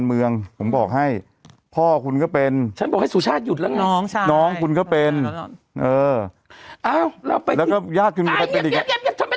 เนี่ยเนี่ยยนต์โดม